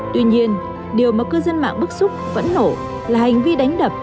tuy nhiên điều mà cư dân mạng bức xúc vẫn nổ là hành vi đánh đập